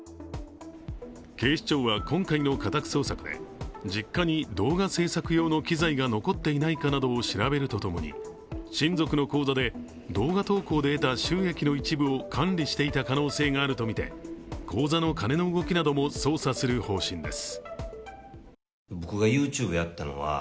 警視庁は、今回の家宅捜索で実家に動画制作用の機材が残っていないかなどを調べるとともに親族の口座で動画投稿で得た収益の一部を管理していた疑いがあるとみて口座の金の動きなども捜査する方針です。